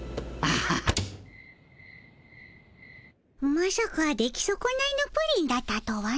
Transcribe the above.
まさか出来そこないのプリンだったとはの。